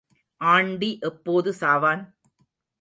Aunty எப்போது சாவான்?